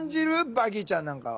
ヴァギーちゃんなんかは。